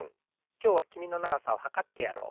きょうはきみのながさをはかってやろう。